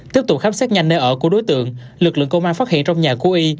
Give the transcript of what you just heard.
tiếp tục khám xét nhanh nơi ở của đối tượng lực lượng công an phát hiện trong nhà của y